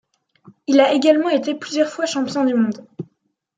Il a également été plusieurs fois champion du monde.